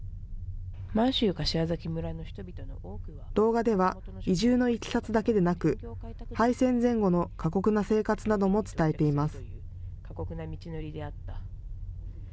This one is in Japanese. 動画では移住のいきさつだけでなく敗戦前後の過酷な生活なども伝えています。